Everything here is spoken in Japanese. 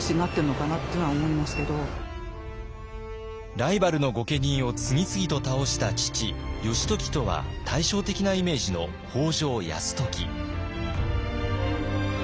ライバルの御家人を次々と倒した父義時とは対照的なイメージの北条泰時。